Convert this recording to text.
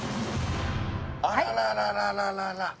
あららららら。